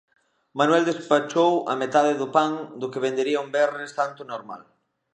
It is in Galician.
Manuel despachou a metade do pan do que vendería un venres santo normal.